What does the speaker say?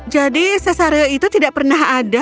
jadi cesario itu tidak pernah ada